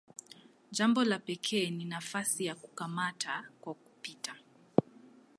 Jambo la pekee ni nafasi ya "kukamata kwa kupita".